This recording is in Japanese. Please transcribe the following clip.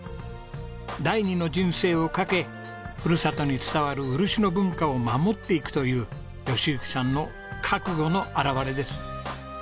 第二の人生を懸けふるさとに伝わる漆の文化を守っていくという喜行さんの覚悟の表れです。